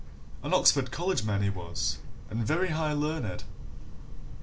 an Oxford college man he was, and very high learned."